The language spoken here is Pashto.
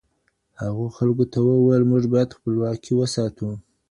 هغه خلکو ته وویل، موږ باید خپلواکي وساتو.